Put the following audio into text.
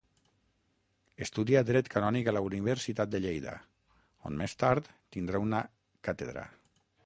Estudià dret canònic a la Universitat de Lleida, on més tard tindrà una càtedra.